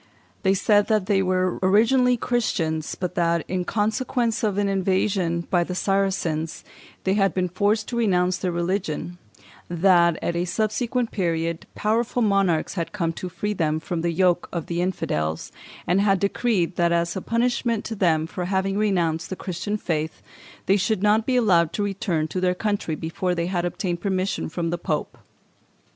They said that they were originally Christians; but that, in consequence of an invasion by the Saracens, they had been forced to renounce their religion; that, at a subsequent period, powerful monarchs had come to free them from the yoke of the infidels, and had decreed that, as a punishment to them for having renounced the Christian faith, they should not be allowed to return to their country before they had obtained permission from the Pope.